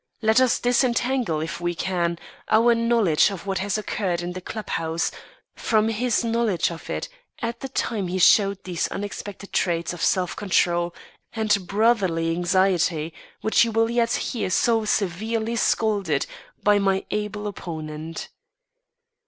Let us disentangle, if we can, our knowledge of what occurred in the clubhouse, from his knowledge of it at the time he showed these unexpected traits of self control and brotherly anxiety, which you will yet hear so severely scored by my able opponent.